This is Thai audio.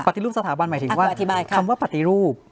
รูปสถาบันหมายถึงว่าคำว่าปฏิรูป